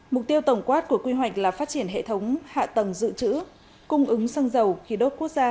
mục tiêu tổng quát của quy hoạch là phát triển hệ thống hạ tầng dự trữ cung ứng xăng dầu khí đốt quốc gia